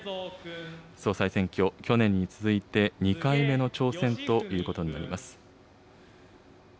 総裁選挙、去年に続いて２回目の挑戦ということになります。